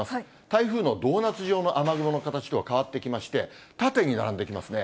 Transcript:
台風のドーナツ状の雨雲の形とは変わってきまして、縦に並んできますね。